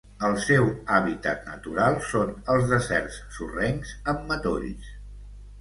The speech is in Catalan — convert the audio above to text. El seu hàbitat natural són els deserts sorrencs amb matolls.